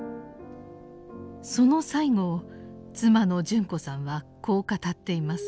その最期を妻の順子さんはこう語っています。